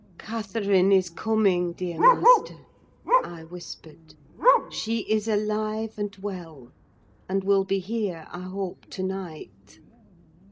"Catherine is coming, dear master!" I whispered; "she is alive and well; and will be here, I hope, to night."